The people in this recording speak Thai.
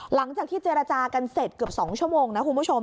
หลังจากที่เจรจากันเสร็จเกือบ๒ชั่วโมงนะคุณผู้ชม